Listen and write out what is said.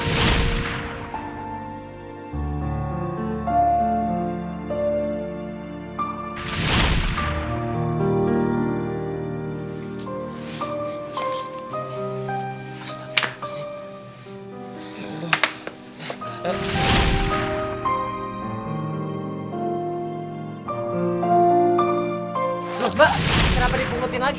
loh mbak kenapa dipungutin lagi